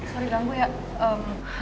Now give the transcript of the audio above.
sorry ganggu ya